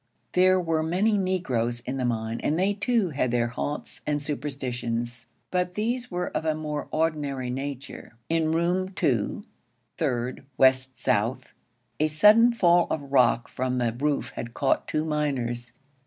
There were many Negroes in the mine and they, too, had their 'h'ants' and superstitions; but these were of a more ordinary nature. In Room 2, third west south, a sudden fall of rock from the roof had caught two miners.